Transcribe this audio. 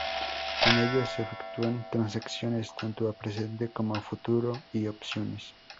En ellos se efectúan transacciones tanto a presente como a futuro y opciones.